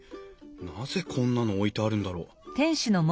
なぜこんなの置いてあるんだろう？